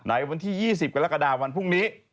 ไหนวันที่๒๐ก็ละกระดาษวันพรุ่งนี้